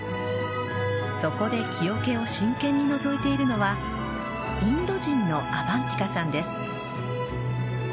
そこで木おけを真剣にのぞいているのはインド人のアバンティカさんです。